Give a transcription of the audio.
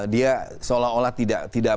dia seolah olah tidak